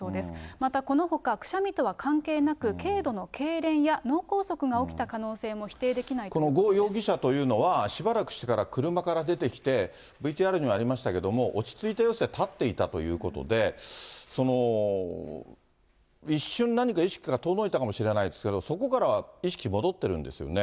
またこのほか、くしゃみとは関係なく、軽度のけいれんや脳梗塞が起きた可能性も否定できないといこの呉容疑者というのは、しばらくしてから車から出てきて、ＶＴＲにもありましたけれども、落ち着いた様子で立っていたということで、一瞬、何か意識が遠のいたかもしれないですけど、そこからは意識戻ってるんですよね。